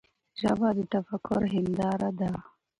ژبه د تفکر هنداره ده.